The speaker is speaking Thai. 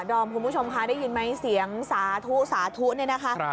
โอ้โหนี่ค่ะดรคุณผู้ชมไรได้ยินไหมเสียงสาธุสาธุเนี่ยนะคะ